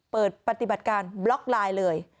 เปิดปฏิบัติการบล็อกไลน์เลย